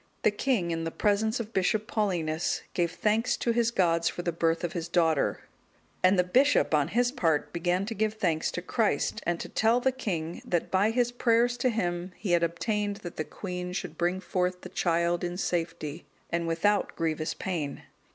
The king, in the presence of Bishop Paulinus, gave thanks to his gods for the birth of his daughter; and the bishop, on his part, began to give thanks to Christ, and to tell the king, that by his prayers to Him he had obtained that the queen should bring forth the child in safety, and without grievous pain.